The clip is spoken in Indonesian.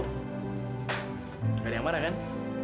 tidak ada yang marah kan